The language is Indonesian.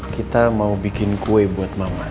kita mau bikin kue buat mama